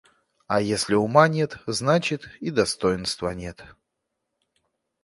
А если ума нет, значит, и достоинства нет.